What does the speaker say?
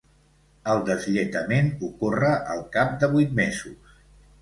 El deslletament ocorre al cap de vuit mesos.